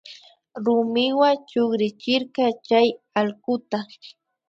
Rumiwa chukrichirka chay allkuta